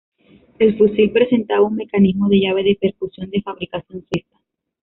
El fusil presentaba un mecanismo de llave de percusión de fabricación suiza.